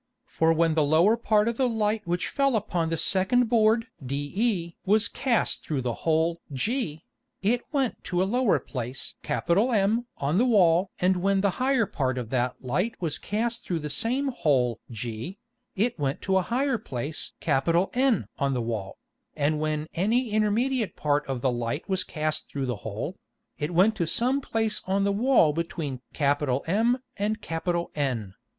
For when the lower part of the Light which fell upon the second Board de was cast through the hole g, it went to a lower place M on the Wall and when the higher part of that Light was cast through the same hole g, it went to a higher place N on the Wall, and when any intermediate part of the Light was cast through that hole, it went to some place on the Wall between M and N.